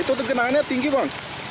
itu tergenangannya tinggi bang